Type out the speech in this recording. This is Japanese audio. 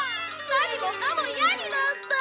何もかも嫌になった！